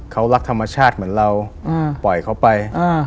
เขารักธรรมชาติเหมือนเราปล่อยเขาไป